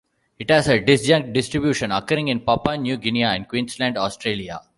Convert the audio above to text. It has a disjunct distribution, occurring in Papua New Guinea and Queensland, Australia.